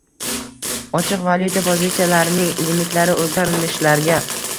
Ochiq valyuta pozitsiyalarining limitlari o'zgarmishlarga